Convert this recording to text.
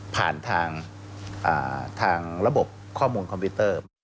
ผ่านทางระบบข้อมูลคอมพิวเตอร์